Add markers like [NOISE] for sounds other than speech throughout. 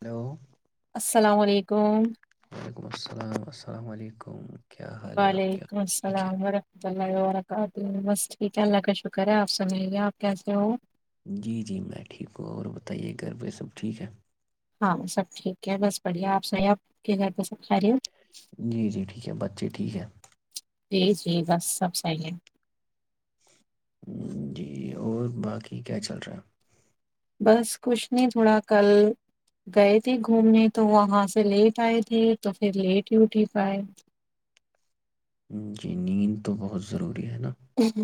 hello [UNINTELLIGIBLE] [UNINTELLIGIBLE] ہے آپ کیا وعلیکم ٹھیک ہے السلام ورحمۃ اللہ وبرکاتہ بس ٹھیک ہے اللہ کا شکر ہے آپ سمجائیے آپ کیسے ہو جی جی میں ٹھیک ہوں اور بتائیے گھر پ سب ٹھیک ہے ہاں سب ٹھیک ہے بس بڑھیا آپ صحی آپ کے گھر پہ سب کھا رہے ہو جی جی ٹھیک ہے بچے ٹھیک ہے جی جی بس سب صحیح ہے جی اور باقی کیا چل رہا ہے بس کچھ نہیں تھوڑا کل گئے تھے گھومنے تو وہاں سے لیٹ آئے تھے تو پھر لیٹ ہی اٹھی پائے جی نیند تو بہت ضروری ہے نا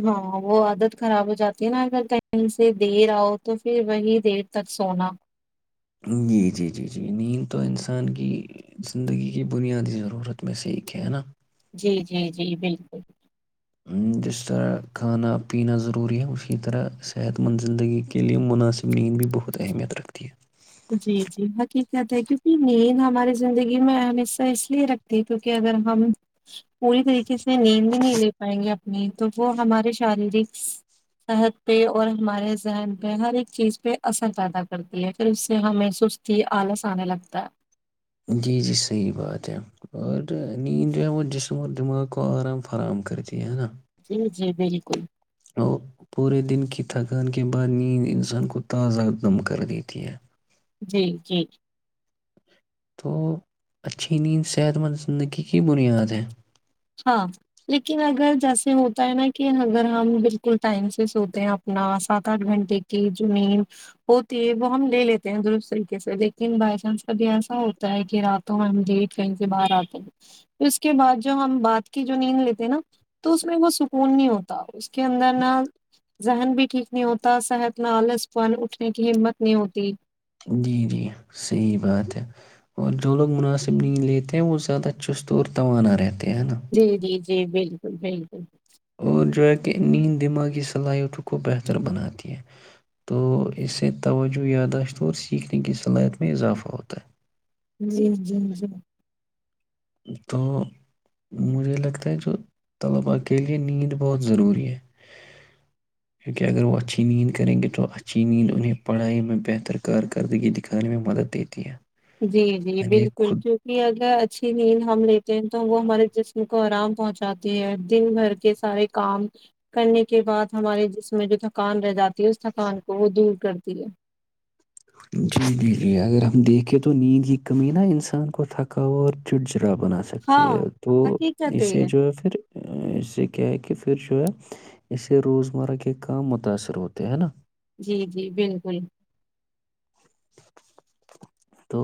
ہاں وہ عادت خراب ہو جاتی ہے نا اگر کہیں سے دیر آؤ تو پھر وہی دیر تک سونا جی جی جی جی نیند تو انسان کی زندگی کی بنیادی ضرورت میں سے ایک ہے ہے نا جی جی جی بالکل جس طرح کھانا پینا ضروری ہے اسی طرح صحت مند زندگی کے لیے مناسب نیند بھی بہت اہمیت رکھتی ہے جی جی ہق کہتا ہے کیونکہ م ہماری زندگی میں ہمیشہ اس لیے رکھتی کیوںکہ اگر ہم پوری طریقے سے نیند ہی نہیں لے پائیں گے میں تو وہ ہمارے شاریرک صحت پہ اور ہمارے ذہن پہ ہر ایک چیز پہ اثر پیدا کرتی ہے پھر اس سے ہمیں سستی آلس آنے لگتا ہے جی جی صحیح بات ہے اور جو نیند جو ہے وہ جسم اور دماغ کو آرام فراہم کرتی ہے نا جی جی بالکل اور پورے دن کی تھکان کے بعد نیند انسان کو تازہ دم کر دیتی ہے جی جی تو اچھی نیند صحت مند زندگی کی بنیاد ہے ہاں لیکن اگر جیسے ہوتا ہے نا کہ اگر ہم بالکل ٹائم سے سوتے ہیں اپنا سات آٹھ گھنٹے کی جو نیند ہوتی ہے وہ ہم لے لیتے ہیں درست طریقے سے لیکن بائی چانس کبھی ایسا ہوتا ہے کہ راتوں میں ہم ڈٹ کہیں سے باہر آتے ہیں اس کے بعد جو ہم بعد کی جو نیند لیتے نا تو اس میں وہ سکون نہیں ہوتا اس کے اندر نا ذہن بھی ٹھیک نہیں ہوتا صحت نہ آلس اٹھنے کی ہمت نہیں ہوتی جی جی صحیح بات ہے اور جو لوگ مناسب نہیں لیتے وہ زیادہ چست اور توانا رہتا جی جی جی بالکل بالکل اور ڈر کہہ نین دماغی صلاحیتوں کو بہتر بناتی ہے تو اس سے توجہ یاداشت اور سیکھنے کی صلاحیت میں اضافہ ہوتا ہے جی جی جی تو مجھے لگتا ہے جو طلباء کے لیئے نیند بہت ضروری ہے کیونکہ اگر وہ اچھی نیند کریں گے تو اچھی نیند انہیں پڑھائی میں بہتر کارکردگی دکھانے میں مدد دیتی ہے جی جی میں نے یہ بالکل خود کیونکہ اگر اچھا نیند ہم لیتے ہیں تو وہ ہمارے جسم کو آرام پہنچاتی ہے دن بھر کے سارے کام کرنے کے بعد ہمارے جسم میں جو تھکان رہ جاتی اس تھکان کو وہ دور کرتی جی ہے جی جی جی اگر ہم دیکھیں تو نیند کی کمی نہا انسان کو تھکاو اور چٹ ج کچرا بنا سکتی ہاں ہے تو حقیقت اسے یہ جو ہے پھر اس سے کیا ہے کہ پھر جو ہے اسے روزمرہ کے کام متاثر ہوتے ہیں نا جی جی بالکل تو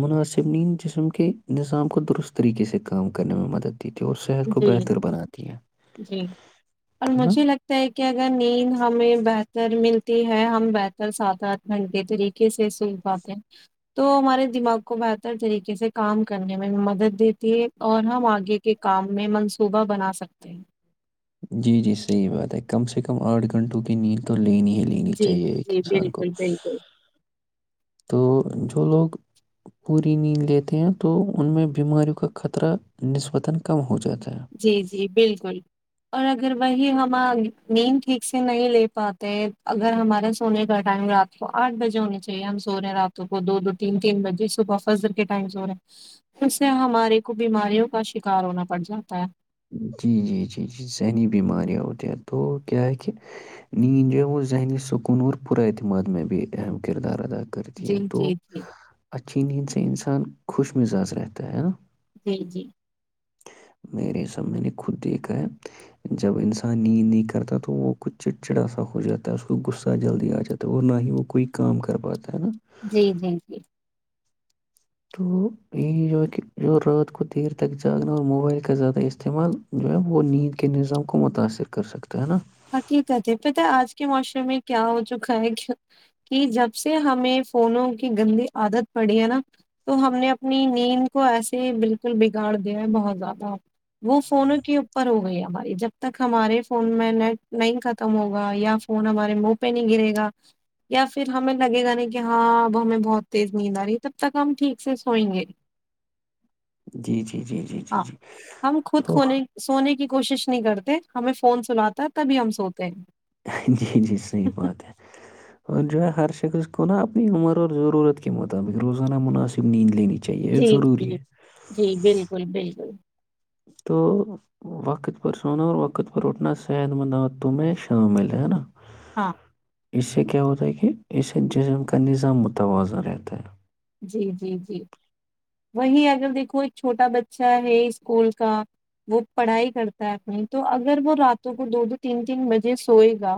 مناسب ن جسم کے نظام کو درست طریقے سے کام کرنے میں مدد دیتی ہے اور صحت کو جی بہتر بناتی ہے جی اور ہے نا مجھے لگتا ہے کہ اگر نیند ہمیں بہت ر ملتی ہے ہم بہتر سات آٹھ گھنٹے طریقے سے سوکھ پاتے ہیں تو ہمارے دماغ کو بہتر طریقے سے کام کرنے میں مدد دیتی ہے اور ہم آگے کے کام میں منصوبہ بنا سکتے ہیں جی جی صحیح بات ہے کم سے کم آٹھ گھنٹوں کی نیند تو لین لینی جی چاہیے ایک جی انسان کو بالکل بالکل تو جو [UNINTELLIGIBLE] [UNINTELLIGIBLE] جی جی بالکل اور اگر وہی ہم نیند ٹھیک سے نہیں لے پاتے اگر ہمارا سونے کا ٹائم رات کو آٹھ بجے ہونی چاہیے ہم سو رہے ہیں راتوں کو دو دو تین تین بجے صبح فضر کے ٹائم سو رہے اس سے ہمارے کو بیماریوں کا شکار ہونا پڑ جات [UNINTELLIGIBLE] چ [UNINTELLIGIBLE] جی جی جی جی ذہنی بیماریاں ہوتی ہیں تو کیا ہے کہ نیند جو ہے وہ ذہنی سکون اور پرا اعتماد میں بھی اہم کردار ادا کر [UNINTELLIGIBLE] کرتی جی ہیں تو جی جی اچھا [UNINTELLIGIBLE] جھید سے انسان خوش مزاج رہتا ہے نا جی جی میرے سب میں نے خود دیکھا ہے جب انسان نیند نہیں کرتا تو وہ کچھ چڑچڑا سا ہو جاتا ہے اس کو غصہ جلدی آ جاتا ہے اور نہ ہی وہ کوئی کام کر پاتا ہے نا جی جی جی تو یہی جو ہے کہ جو رات کو دیر تک جاگنا اور موبائل کا زیادہ استعمال جو ہے وہ نیند کے نظام کو متاثر کر سکتا ہے نا [UNINTELLIGIBLE] ہقی کہتے پت آج کے معاشرے میں کیا ہو چکا ہے کہ جب سے ہمیں فونوں کی گندی عادت پڑی ہے نا تو ہم نے اپنی نیند کو ایسے بالکل بگاڑ دیا ہے بہت زیادہ وہ فونوں کے اوپر ہو گئی ہماری جب تک ہمارے فون میں نیٹ [UNINTELLIGIBLE] لائن ختم ہوگا یا فون ہمارے منہ پہ نہیں گرے گا یا پھر ہمیں لگے گا نہیں کہ ہاں اب ہمیں بہت تیز نیند آ رہی ہے تب تک ہم ٹھیک سے سوئیں گے جی جی جی جی جی ہاں جی ہم خود ا کھونے سونے کی کوشش نہیں کرتے ہمیں فون سلااتا تبھی ہم سوتے ہیں جی جی صحیح بات ہے اور جو ہے ہر شخص کو نا اپنی عمر اور ضرورت کے مطابق روزانہ مناسب نیند لینی چاہیے یہ جی جی ضروری ہے جی بالکل بالکل تو وقت پر سونا اور وقت پر اٹھنا صحت مند تمیں شامل ہے نا ہاں اس سے کیا ہوتا ہے کہ اس سے جسم کا نظام متوازن رہتا ہے [UNINTELLIGIBLE] جی جی جی وہی اگر دیکھو ایک چھوٹا بچہ ہے اسکول کا وہ پڑھائی کرتا ہے اپنی تو اگر وہ راتوں کو دو دو تین تین بجے سوئے گا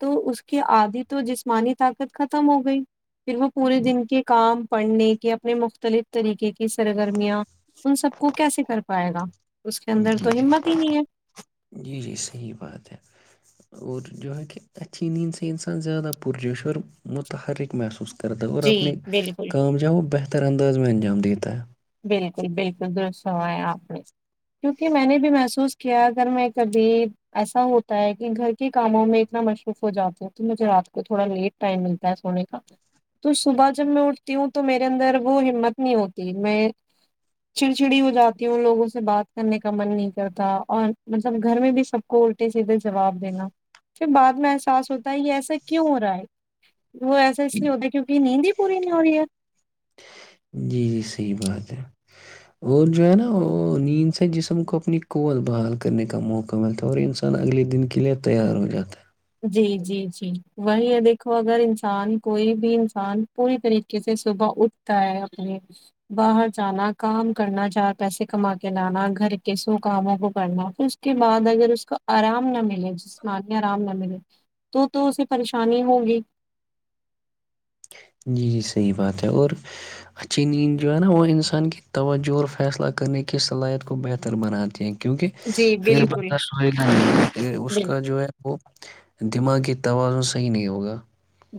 تو اس کے آدھی تو جسمانی طاقت ختم ہو گئی پھر وہ پورے دن کے کام [UNINTELLIGIBLE] پڑھنے کے اپنے مختلف طریقے کی سرگرمیاں ان سب کو کیسے کر پائے گا اس کے اندر جی تو جی ہمت ہی نہیں ہے جی جی صحیح بات ہے اور جو ہے کہ اچھی نیند سے انسان زیادہ پرجش اور متحرک محسوس [UNINTELLIGIBLE] کر دو اور جی اپنے بالکل کام جاؤ بہتر طر انداز میں انجام دیتا ہے بالکل بالکل درست ہووائے آپ نے کیوںکہ میں نے بھی محسوس کیا اگر میں کبھی ایسا ہوتا ہے کہ گھر کے کاموں میں اتنا مصروف ہو جاتا ہوں تو مجھے رات کو تھوڑا لیٹ ٹائم ملتا ہے سونے کا تو صبح جب میں اٹھتی ہوں تو میرے اندر وہ ہمت نہیں ہوتی میں [UNINTELLIGIBLE] چڑچڑی ہو جاتی ہوں ان لوگوں سے بات کرنے کا من نہیں کرتا اور مطلب گھر میں بھی سب کو الٹے سیدھے جواب دینا پھر بعد میں احساس ہوتا ہے یہ ایسا کیوں ہو رہا ہے [UNINTELLIGIBLE] وہ ایسا اس لیے ہوتا کیونک نیند ہی پوری نہیں ہو رہی ہے ہے جی جی صحیح بات ہے اور جو ہے نا وہ نیند سے جسم کو اپنی کوت بحال کرنے کا موقع ملتا ہے اور انسان اگلے دن کے لیے تیار ہو جاتا ہے جی جی جی وہی ہے دیکھو اگر انسان کوئی بھی انسان پوری طریقے سے صبح اٹھتا ہے اپنے باہر جانا کام کرنا چار پیسے کما کے لانا گھر کے سو کاموں کو کرنا پھر اس کے بعد اگر اس کو آرام نہ ملے جسمانی آرام نہ ملے تو تو اسے پریشانی ہوں گی جی جی صحیح بات ہے اور اچینین جو ہے نا وہ انسان کی توجہ اور فیصلہ کرنے کی صلاحیت کو بہتر بناتے ہیں کیونکہ جی اگر بالکل بندہ س اس کا بالکل، جو ہے وہ دماغی توازن صحیح نہیں ہوگا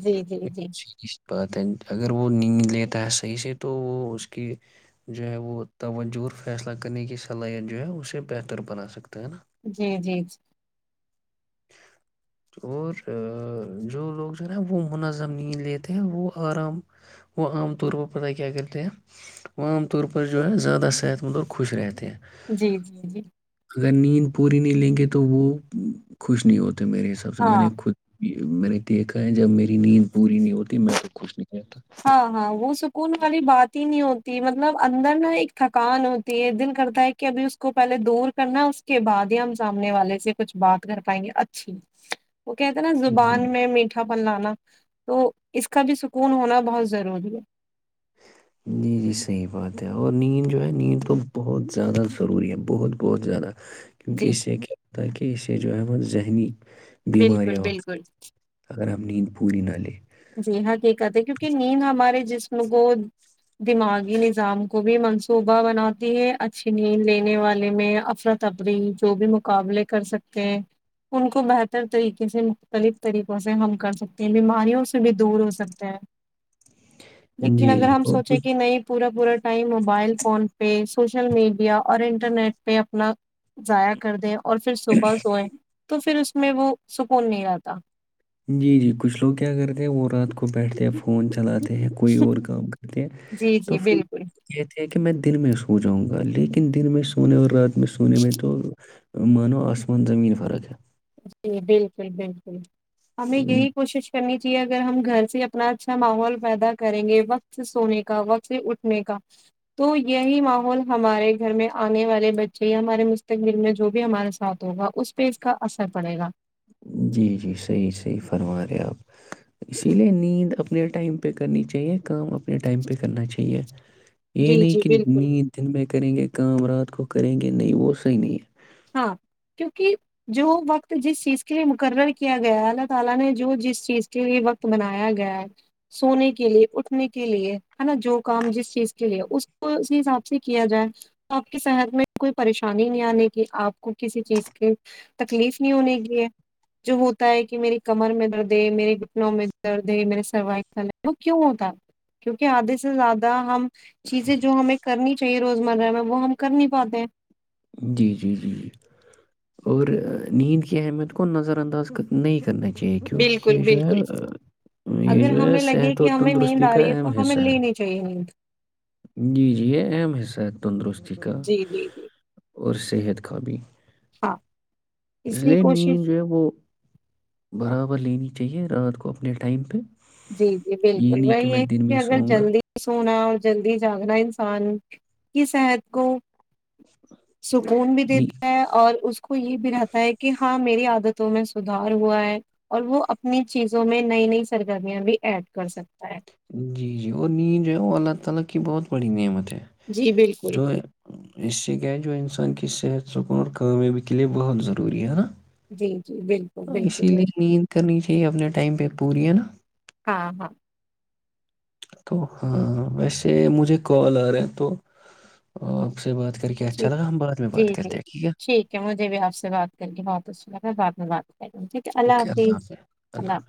جی جی جی سیدھی سی بات ہے اگر وہ نیند لیتا ہے صحیح سے تو وہ اس کی جو ہے وہ توجہ فیصلہ کرنے کی صلاحیت جو ہے اسے بہتر بنا سکتا ہے نا جی جی جی اور جو لوگ جو ہے نا وہ منظم نہیں لیتے وہ آرام وہ عام طور پر پتہ کیا کرتے ہیں وہ عام طور پر جو ہے زیادہ صحت مند اور خوش رہتے ہیں جی جی جی اگر نیند پوری نہیں لیں گے تو وہ خوش نہیں ہوتا تو میرے حساب سے میں ہاں نے خود میں نے دیکھا ہے جب میری نیند پوری نہیں ہو میں تو خوش نہیں رہتا ہاں ہاں وہ سکون والی بات ہی نہیں ہوتی مطلب اندر نا ایک تھکان ہوتی ہے دل کرتا ہے کہ ابھی اس کو پہلے دور کرنا اس کے بعد ہی ہم سامنے والے سے کچھ بات کر پائیں گے اچھی وہ کہتے ہیں نا جی زبان میں میٹھا بن لانا تو اس کا بھی سکون ہونا بہت ضروری ہے جی جی صحیح بات ہے اور نیند جو ہے نیند تو بہت زیادہ ضروری ہے بہت بہت زیادہ کیونکہ جی اسے کیا ہوتا کہ اسے جو احم ذہنی بالکل بالکل گ ہم نیند پوری نالے جی ہاں کہ کہتے ہے کیونکہ نیند ہمارے جسم کو دماغی نظام کو بھی منصوبہ بناتی ہے اچھی نیند لینے والے میں افرتفری جو بھی مقابلے کر سکتے ہیں ان کو بہتر طریقے سے مختلف طریقوں سے ہم کر سکتے ہیں بیماریوں سے بھی دور ہو سکتے ہیں لیکن جی اگر جی ہم اور سوچیں کچھ کہ نہیں پورا پورا یں موبائل فون پہ سوشل میڈیا اور انٹرنیٹ پہ اپنا ضائع کر دے اور پھر صبح سوئے تو پھر اس اس میں وہ سکون نہیں رہتا جی جی کچھ لوگ کیا کرتے ہیں وہ رات کو بیٹھتے ہیں فون چلاتے ہیں کوئی اور کام کرتے ہیں جی تو جی پھر بالکل کہتے ہیں کہ کہ میں دن میں سو جاؤں گا لیکن دن میں سونے اور رات میں سونے میں تو مانو آسمان زمین فرق ہے جی بالکل بالکل ہمیں یہی ہے کوشش کرنیاہی جی اگر ہم گھر سے اپنا اچھا ماحول پیدا کریں گے وقت سے سونے کا وقت سے اٹھنے کا تو یہی ماحول ہمارے گھر میں آنے والے بچے یا ہمارے مستقبل میں جو بھی ہمارے ساتھ ہوگا اس پہ اس کا اثر پڑے گا جی جی صحیح صحیح فرما رہے آپ اسی لیے نیند اپنے ٹائم پہ کرنی چاہیے کام اپنے ٹائم پہ کرنا چاہیے یہ جی نہیں جی کہ بالکل نہیں دن میں کریں گے کام رات کو کریں گے نہیں وہ صحیح نہیں ہے [UNINTELLIGIBLE] کہ آپ کو کسی چیز کی تکلیف نہیں ہونے کی ہے جو ہوتا ہے کہ میری کمر میں درد ہے میرے گھٹنوں میں درد ہے میرے سروائکل ہے وہ کیوں ہوتا ہے کیوںکہ آدھے سے زیادہ ہم چیزیں جو ہمیں کرنی چاہیے روز مرہ میں وہ ہم کر نہیں پاتے ہیں جی جی جی جی اور نیند کی اہمیت کو نظر انداز نہیں کرنا چاہیے کیونکہ بالکل یہ جو ہے بالکل یہ اگر جو ہے ہمیں لگے صحت کہ اور ہمیں نیند تندرستی آ کا رہی ہے تو اہم ہمیں حصہ ہے لینی چاہیے نیند جی جی یہ اہم حصہ ہے تندرستی کا جی جی جی اور صحت کا بھی ہاں اس لیے نیند جو ہے وہ بھر وہ لینی چاہیے رات کو اپنے ٹائم پہ جی جی یہ بالکل نہیں کہ وہی میں ہے دن کیکہ میں اگر سوؤں گا جلدی سونا جلدی جاگنا انسان کی صحت کو سکون بھی نی- دیتا ہے اور اس کو یہ بھی رہتا ہے کہ ہاں میری عادت میں سھار ہوا ہے اور وہ اپنی چیزوں میں نئی نئی سر گمیاں بھی ایڈ کر سکتا ہے جی جی اور نیند ہے وہ اللہ تعالی کی بہت بڑی نعمت ہے جی بالکل تو اس سے کیا ہے جو انسان کے کی صحت سکون اور کامیاب کے لیے بت ضروری ہے نا جی جی بالکل بالکل اسی لیے بالکل نیند کرنی چاہیے اپنے ٹائم پہ پوری ہے نا ہاں ہاں تو ہاں ویسے مجھے کال آ رہا تو آپ سے بات کر کے اچھا ٹھیک لگا ہم بعد میں جی بات جی کرتے ہیں ہے ٹھیک ہے مجھے بھی آپ سے بات کر کے بہت اچھا پ ل تھا ٹھیک ہے اللہ حافظ اللہ حافظ